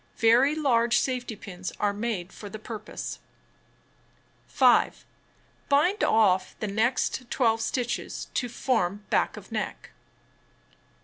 Very large safety pins are made for the purpose. 5. Bind off the next 12 stitches to form back of neck.